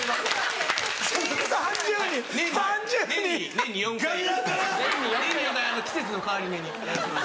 年に４回季節の変わり目に。